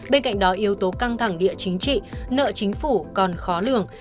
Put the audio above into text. bên cạnh đó yếu tố căng thẳng địa chính trị nợ chính phủ còn khó lường